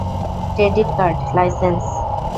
Credit card, licence.